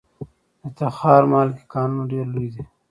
د تخار د مالګې کانونه ډیر لوی دي